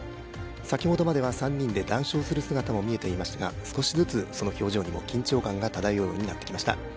先ほどまでは３人で談笑する姿も見えましたが少しずつその表情に緊張感が漂うようになってきました。